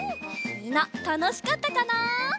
みんなたのしかったかな？